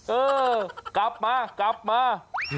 เออกลับมากลับมา